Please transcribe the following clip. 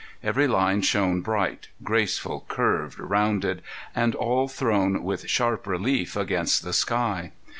Every line shone bright, graceful, curved, rounded, and all thrown with sharp relief against the sky.